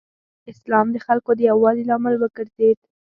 اسلام د خلکو د یووالي لامل وګرځېد.